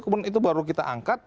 kemudian itu baru kita angkat